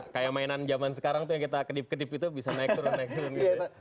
kayak mainan zaman sekarang tuh yang kita kedip kedip itu bisa naik turun naik turun gitu